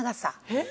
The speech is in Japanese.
えっ？